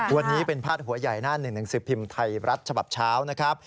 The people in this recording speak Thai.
วันนี้เป็นพาดหัวใหญ่หน้าหนึ่งหนังสือพิมพ์ไทยรัฐฉบับเช้านะครับ